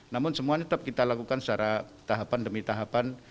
namun semuanya tetap kita lakukan secara tahapan demi tahapan